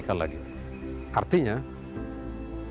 saya ingin mengatakan bahwa